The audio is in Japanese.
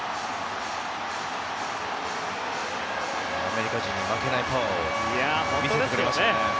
アメリカ人に負けないパワーを見せてくれましたね。